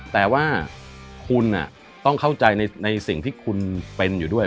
แต่ว่าคุณต้องเข้าใจในสิ่งที่คุณเป็นอยู่ด้วย